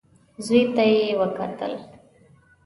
زوی ته يې وکتل.